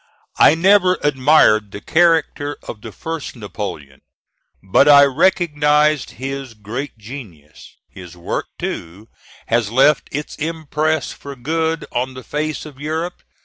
I never admired the character of the first Napoleon; but I recognize his great genius. His work, too, has left its impress for good on the face of Europe.